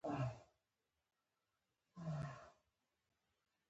په افغانستان کې د انګورو اړتیاوې پوره کېږي.